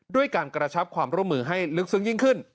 ด้วยการกระชับความร่วมมือให้ลึกซึ้งยิ่งขึ้น